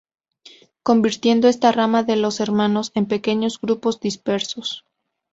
Convirtiendo esta rama de los hermanos en pequeños grupos dispersos.